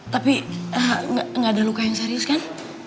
tapi nggak ada luka yang serius kan